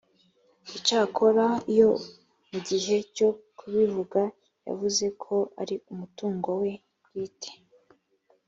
icyakora iyo mu gihe cyo kubivuga yavuze ko ari umutungo we bwite